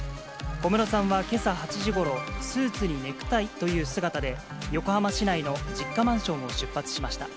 小室さんはけさ８時ごろ、スーツにネクタイという姿で、横浜市内の実家マンションを出発しました。